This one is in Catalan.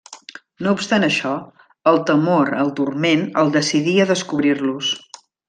No obstant això, el temor al turment el decidí a descobrir-los.